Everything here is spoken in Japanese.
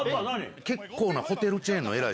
結構なホテルチェーンの偉い